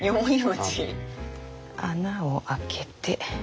穴を開けて。